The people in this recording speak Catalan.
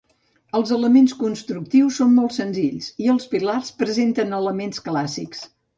Els elements constructius són molt senzills i els pilars presenten elements clàssics.